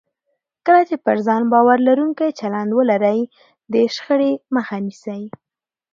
کله چې پر ځان باور لرونکی چلند ولرئ، د شخړې مخه نیسئ.